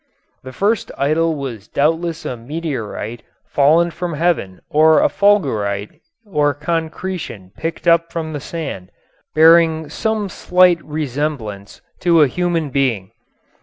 The first idol was doubtless a meteorite fallen from heaven or a fulgurite or concretion picked up from the sand, bearing some slight resemblance to a human being.